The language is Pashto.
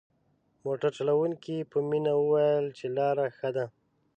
موټر چلوونکي په مينه وويل چې لاره ښه ده.